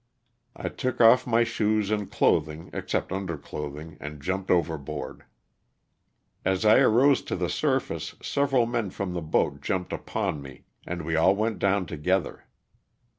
I took off my shoes and 276 LOSS OF THE SULTAIS'A. clothing, except under clothing, and jumped over board. As I arose to the surface several men from the boat jumped upon me and we all went down together.